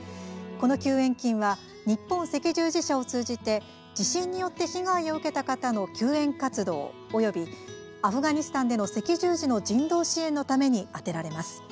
この救援金は日本赤十字社を通じて地震によって被害を受けた方の救援活動及びアフガニスタンでの赤十字の人道支援のために充てられます。